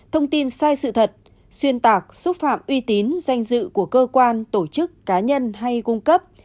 thông tin sai sự thật xuyên tạc xúc phạm uy tín danh dự của cơ quan tổ chức cá nhân hay cung cấp